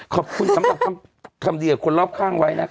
คำดีกับคนรอบข้างไว้นะคะ